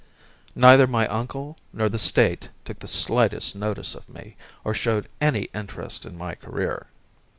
Neither my uncle nor the State took the slightest notice of me, or showed any interest in my career.